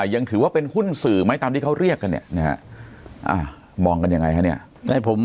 ยังถือว่าเป็นหุ้นสื่อไหมตามที่เขาเรียกกันมองกันยังไงครับ